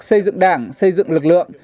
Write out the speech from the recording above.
xây dựng đảng xây dựng lực lượng